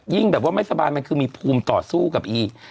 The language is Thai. แบบว่าไม่สบายมันคือมีภูมิต่อสู้กับอีก